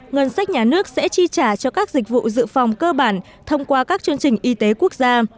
ngân sách nhà nước sẽ chi trả cho các dịch vụ dự phòng cơ bản thông qua các chương trình y tế quốc gia